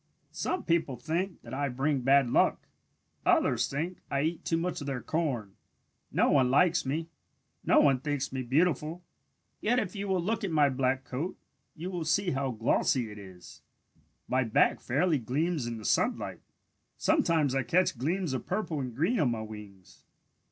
"Some people think that I bring bad luck. Others think I eat too much of their corn. No one likes me. No one thinks me beautiful. "Yet if you will look at my black coat you will see how glossy it is. My back fairly gleams in the sunlight. Sometimes I catch gleams of purple and green on my wings.